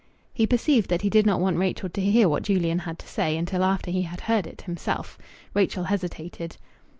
He perceived that he did not want Rachel to hear what Julian had to say until after he had heard it himself. Rachel hesitated.